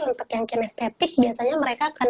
untuk yang kenestetik biasanya mereka akan